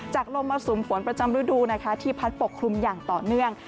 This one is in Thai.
ลมมรสุมฝนประจำฤดูนะคะที่พัดปกคลุมอย่างต่อเนื่อง